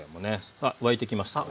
さあ沸いてきましたよね。